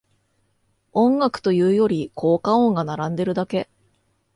音楽というより効果音が並んでるだけ